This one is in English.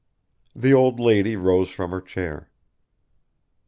The old lady rose from her chair.